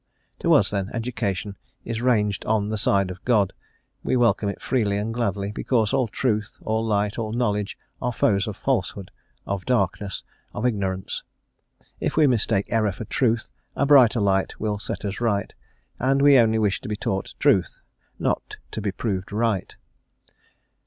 To us, then, education is ranged on the side of God; we welcome it freely and gladly, because all truth, all light, all knowledge, are foes of falsehood, of darkness, of ignorance. If we mistake error for truth a brighter light will set us right, and we only wish to be taught truth, not to be proved right.